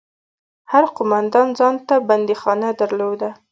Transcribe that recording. هر قومندان ځان ته بنديخانه درلوده.